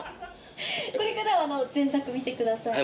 これからは全作見てください。